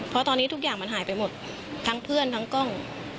เพราะตอนนี้ทุกอย่างมันหายไปหมดทั้งเพื่อนทั้งกล้อง